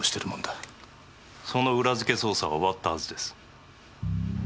その裏づけ捜査は終わったはずです。